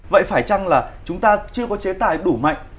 vậy phải chăng là chúng ta chưa có chế tài đủ mạnh